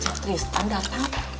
si tristan datang